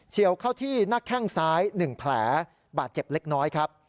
ี่ยวเข้าที่หน้าแข้งซ้าย๑แผลบาดเจ็บเล็กน้อยครับ